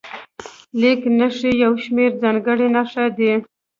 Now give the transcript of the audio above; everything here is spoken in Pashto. لیک نښې یو شمېر ځانګړې نښې دي.